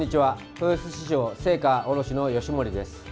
豊洲市場青果卸の吉守です。